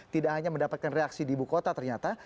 tidak hanya mendapatkan reaksi di ibu kota ternyata